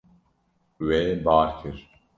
Wê bar kir.